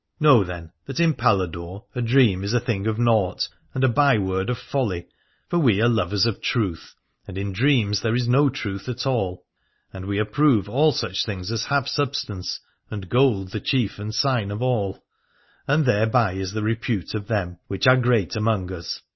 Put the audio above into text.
Know then that in Paladore a 294 Aladore dream is a thing of nought and a byword of folly, for we are lovers of truth, and in dreams is no truth at all. And we approve all such things as have substance, and gold the chief and sign of all : and thereby is the repute of them which are great among us.